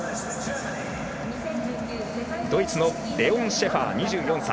ドイツのレオン・シェファー２４歳。